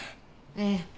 ええ。